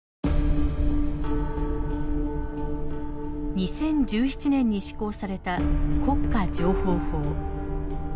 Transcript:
２０１７年に施行された国家情報法。